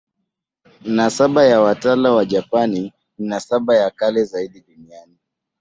Nasaba ya watawala wa Japani ni nasaba ya kale zaidi duniani.